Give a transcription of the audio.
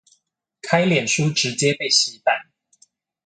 開臉書直接被洗版